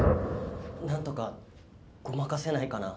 なんとかごまかせないかな？